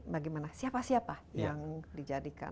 bagaimana siapa siapa yang dijadikan